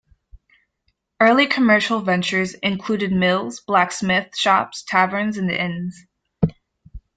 Early commercial ventures included mills, blacksmith shops, taverns, and inns.